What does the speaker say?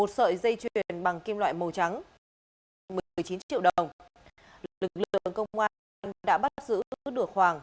một sợi dây chuyền bằng kim loại màu trắng